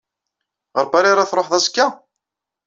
Ɣer Paris ara ad ṛuḥeḍ azekka?